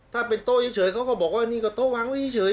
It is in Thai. ถ้าเป็นโต๊ะเฉยเขาก็บอกว่านี่ก็โต๊ะวางไว้เฉย